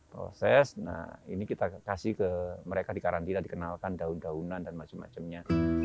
proses nah ini kita kasih ke mereka di karantina dikenalkan daun daunan dan macam macamnya